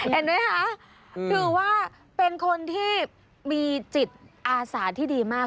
เห็นไหมคะถือว่าเป็นคนที่มีจิตอาสาที่ดีมาก